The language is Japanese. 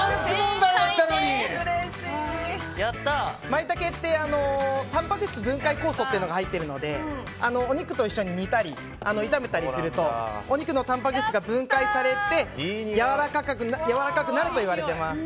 マイタケってたんぱく質分解酵素が入っているのでお肉と一緒に煮たり炒めたりするとお肉のたんぱく質が分解されてやわらかくなるといわれています。